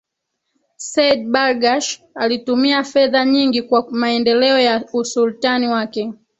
Seyyid Barghash alitumia fedha nyingi kwa maendeleo ya usultan wake